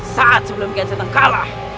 saat sebelum kian santang kalah